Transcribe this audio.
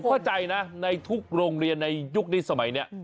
เข้าใจนะในทุกโรงเรียนในยุคนี้สมัยนี้